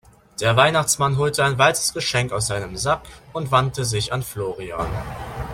Der Weihnachtsmann holte ein weiteres Geschenk aus seinem Sack und wandte sich an Florian.